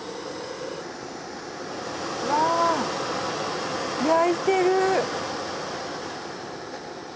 わ焼いてる！